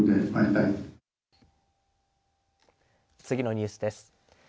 次のニュースです。